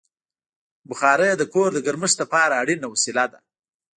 بخاري د کور د ګرمښت لپاره اړینه وسیله ده.